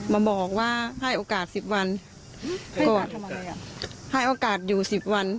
มาบอกว่าให้โอกาสสิบวันให้โอกาสอยู่สิบวัน